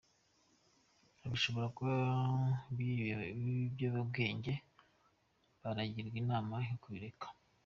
Abishora mu biyobyabwenge baragirwa inama yo kubireka.